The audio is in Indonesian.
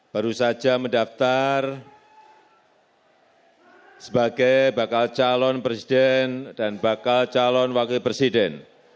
baru saja mendaftar sebagai bakal calon presiden dan bakal calon wakil presiden